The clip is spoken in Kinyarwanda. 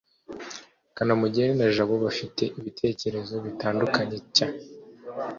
kanamugire na jabo bafite ibitekerezo bitandukanye cy